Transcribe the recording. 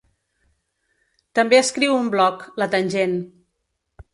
També escriu un bloc, La tangent.